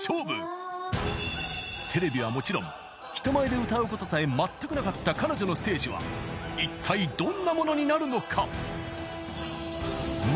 ［テレビはもちろん人前で歌うことさえまったくなかった彼女のステージはいったいどんなものになるのか？］